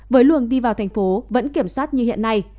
với luồng đi vào thành phố vẫn kiểm soát như hiện nay